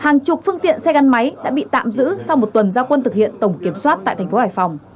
hàng chục phương tiện xe gắn máy đã bị tạm giữ sau một tuần giao quân thực hiện tổng kiểm soát tại thành phố hải phòng